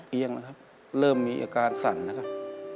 เอียงนะครับเริ่มมีอาการสั่นนะครับ